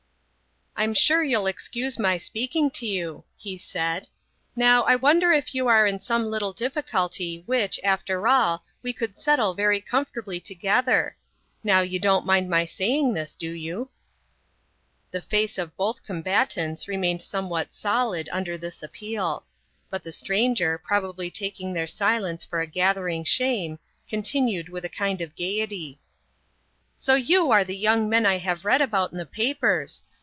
"I'm sure you'll excuse my speaking to you," he said. "Now, I wonder if you are in some little difficulty which, after all, we could settle very comfortably together? Now, you don't mind my saying this, do you?" The face of both combatants remained somewhat solid under this appeal. But the stranger, probably taking their silence for a gathering shame, continued with a kind of gaiety: "So you are the young men I have read about in the papers.